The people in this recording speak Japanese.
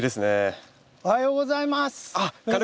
金子さんおはようございます。